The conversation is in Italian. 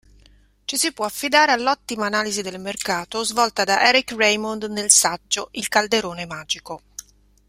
Ci si può affidare all'ottima analisi del mercato svolta da Eric Raymond nel saggio "Il calderone magico".